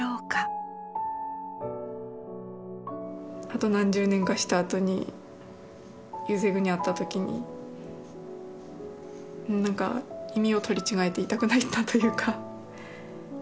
あと何十年かしたあとに夕青くんに会ったときに意味を取り違えていたくないなというか。